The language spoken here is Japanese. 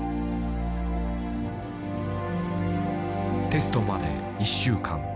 テストまで１週間。